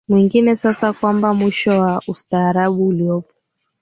mwingi sasa kwamba mwisho wa ustaarabu uliopo